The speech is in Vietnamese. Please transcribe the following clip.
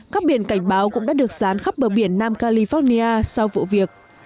các biển cảnh báo cũng đã được rán khắp bờ biển nam california sau vụ việc